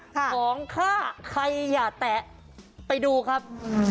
ของฆ่าใครอย่าแตะไปดูครับ